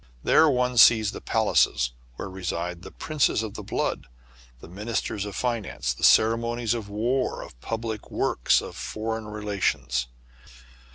There. one sees the palaces where reside the princes of the blood ; the ministers of finance, of ceremonies of war, of public works, and foreign relations.